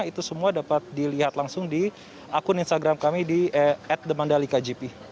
itu semua dapat dilihat langsung di akun instagram kami di at the mandalika gp